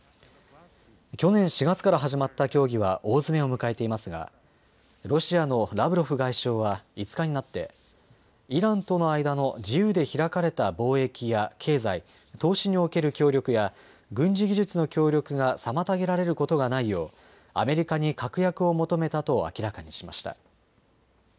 去年４月から始まった協議は大詰めを迎えていますがロシアのラブロフ外相は５日になってイランとの間の自由で開かれた貿易や経済、投資における協力や軍事技術の協力が妨げられることがないようアメリカに確約を求めたと明らかにしました。